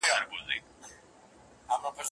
مرګ دی د زاړه او ځوان ګوره چي لا څه کیږي